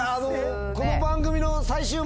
この番組の。